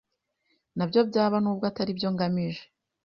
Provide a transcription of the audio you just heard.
nabyo byaba nubwo atari byo ngambiriye,